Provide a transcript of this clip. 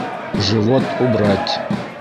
Живот убрать!